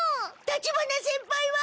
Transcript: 立花先輩は。